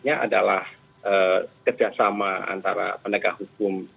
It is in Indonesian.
menariknya adalah kerjasama antara pendegah hukum